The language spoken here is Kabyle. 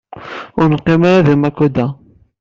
Ur neqqim ara di Makuda.